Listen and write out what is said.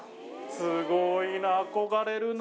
すごいな、憧れるな。